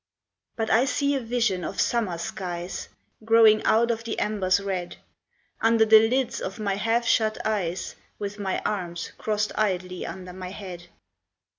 But I see a vision of summer skies Growing out of the embers red, Under the lids of my half shut eyes, With my arms crossed idly under my head.